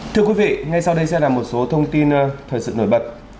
thưa quý vị ngay sau đây sẽ là một số thông tin thời sự nổi bật